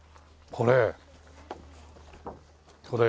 これ。